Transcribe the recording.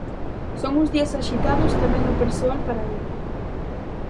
Son uns días axitados tamén no persoal para el.